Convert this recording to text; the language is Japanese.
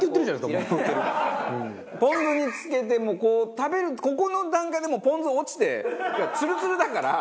ポン酢につけてこう食べるここの段階でもうポン酢落ちてツルツルだから。